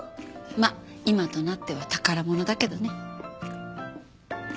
まあ今となっては宝物だけどね。